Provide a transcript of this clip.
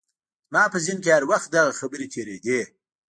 زما په ذهن کې هر وخت دغه خبرې تېرېدې.